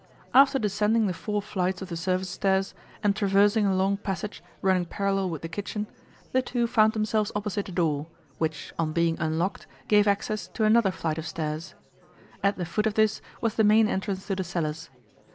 After descending the four flights of the service stairs, and traversing a long passage running parallel with the kitchen, the two found themselves opposite a door, which, on being unlocked, gave access to another flight of stairs. At the foot of this was the main entrance to the cellars.